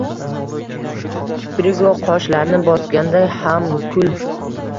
Kiprigu qoshlarni bosganda ham kul